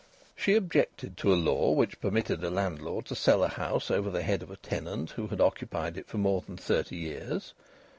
She objected to a law which permitted a landlord to sell a house over the head of a tenant who had occupied it for more than thirty years.